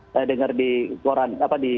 saya dengar di